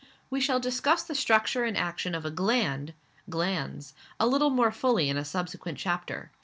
We shall discuss the structure and action of a gland [glands] a little more fully in a subsequent chapter.